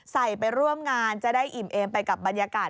ไปร่วมงานจะได้อิ่มเอมไปกับบรรยากาศ